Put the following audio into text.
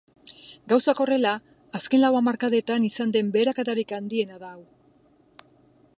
Gauzak horrela, azken lau hamarkadetan izan den beherakadarik handiena da hau.